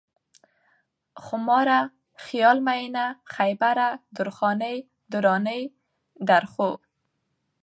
خوماره ، خيال مينه ، خيبره ، درخانۍ ، درانۍ ، درخو